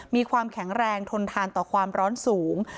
มีความแข็งแรงทนทานต่อความร้อนสูง